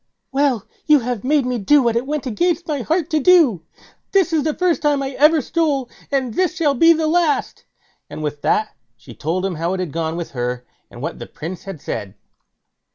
"Well, you have made me do what it went against my heart to do. This is the first time I ever stole, and this shall be the last"; and with that she told him how it had gone with her, and what the Prince had said.